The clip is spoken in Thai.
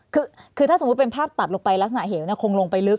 คือถ้าสมมุติเป็นภาพตัดลงไปลักษณะเหวคงลงไปลึก